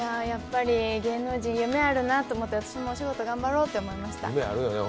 やっぱり芸能人、夢あるなと思って、私もお仕事頑張ろうって思いました。